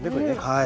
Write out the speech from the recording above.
はい。